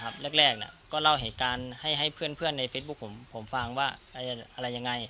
แรกก็เล่าเหตุการณ์ให้เพื่อนในเฟซบุ๊คผมฟังว่าอะไรยังไง